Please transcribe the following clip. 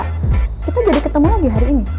kita jadi ketemu lagi hari ini